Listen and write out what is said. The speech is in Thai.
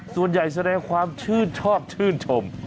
ส่วนใหญ่แสดงความชื่นชอบชื่นชม